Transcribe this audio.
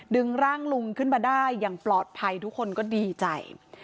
ดึงร่างลุงขึ้นมาได้อย่างปลอดภัยทุกคนก็ดีใจ